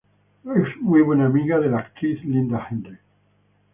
Es muy buena amiga de la actriz Linda Henry.